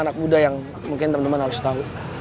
anak muda yang mungkin temen temen harus tahu